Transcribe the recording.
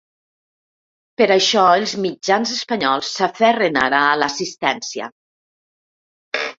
Per això els mitjans espanyols s’aferren ara a l’assistència.